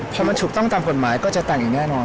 พอมันถูกต้องตามกฎหมายก็จะแต่งอย่างแน่นอน